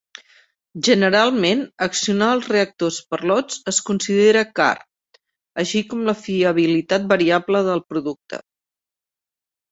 Generalment, accionar els reactors per lots es considera car, així com la fiabilitat variable del producte.